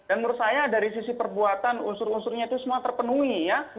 dan menurut saya dari sisi perbuatan unsur unsurnya itu semua terpenuhi ya